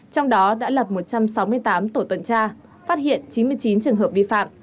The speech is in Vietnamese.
trong đó đã lập một trăm sáu mươi tám tổ tuần tra phát hiện chín mươi chín trường hợp vi phạm